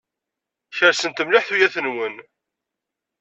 Kersent mliḥ tuyat-nwen.